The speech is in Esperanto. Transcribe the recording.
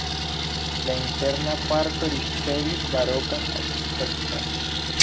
La interna parto ricevis barokan aspekton.